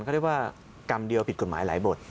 เขาเรียกว่ากรรมเดียวผิดกฎหมายหลายบท